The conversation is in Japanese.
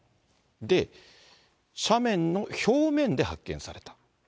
で、斜面の表面で発見された。